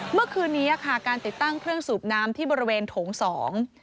เมื่อคืนนี้อ่ะค่ะการติดตั้งเครื่องสูบน้ำที่บริเวณโถงสอง